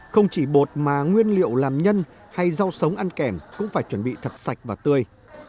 không chỉ bột mà nguyên liệu làm nhân hay rau sống ăn kèm cũng phải chuẩn bị thật sạch và tươi